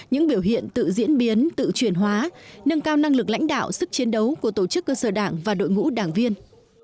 những biểu hiện tự diễn biến tự chuyển hóa nâng cao năng lực lãnh đạo sức chiến đấu của tổ chức cơ sở đảng và đội ngũ đảng viên